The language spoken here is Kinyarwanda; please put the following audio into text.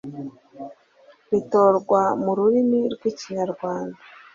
ritorwa mu rurimi rw ikinyarwanda